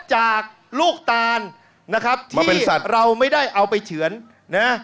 จากลูกตานนะครับที่เป็นสัตว์เราไม่ได้เอาไปเฉือนนะ